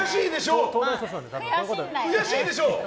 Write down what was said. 悔しいんでしょ？